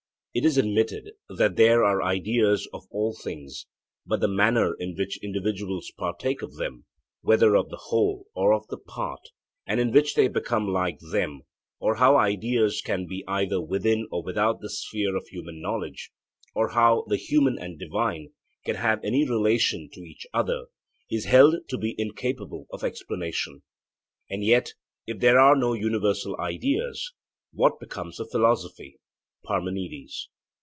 It is admitted that there are ideas of all things, but the manner in which individuals partake of them, whether of the whole or of the part, and in which they become like them, or how ideas can be either within or without the sphere of human knowledge, or how the human and divine can have any relation to each other, is held to be incapable of explanation. And yet, if there are no universal ideas, what becomes of philosophy? (Parmenides.)